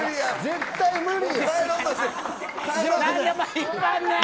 絶対無理。